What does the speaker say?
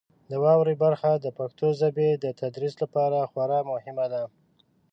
د واورئ برخه د پښتو ژبې د تدریس لپاره خورا مهمه ده.